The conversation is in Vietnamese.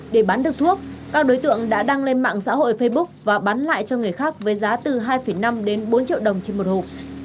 để bán được thuốc các đối tượng đã đăng lên mạng xã hội facebook và bán lại cho người khác với giá từ hai năm đến bốn triệu đồng trên một hộp